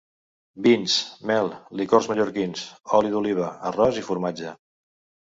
Vins, mel, licors mallorquins, oli d'oliva, arròs i formatge.